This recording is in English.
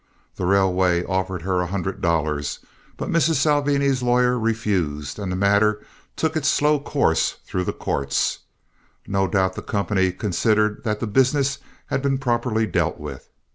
The railway offered her a hundred dollars, but Mrs. Salvini's lawyer refused, and the matter took its slow course through the courts. No doubt the company considered that the business had been properly dealt with.